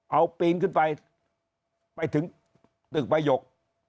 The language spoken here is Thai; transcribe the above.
เอาปีนขึ้นไปไปถึงตึกประหยก